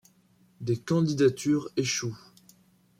Des candidatures échouent.